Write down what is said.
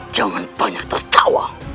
jangan banyak tertawa